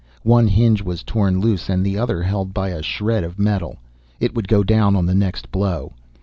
One hinge was torn loose and the other held only by a shred of metal. It would go down on the next blow.